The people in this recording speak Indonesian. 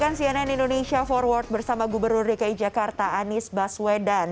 anda masih menyaksikan cnn indonesia forward bersama gubernur dki jakarta anies baswedan